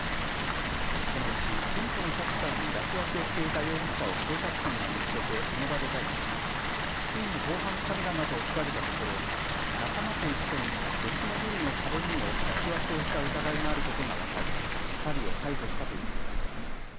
このうち店舗のシャッターに落書きをしていた容疑者を警察官が見つけてその場で逮捕し付近の防犯カメラなどを調べたところ、仲間と一緒に別のビルの壁にも落書きをした疑いがあることが分かり２人を逮捕したということです。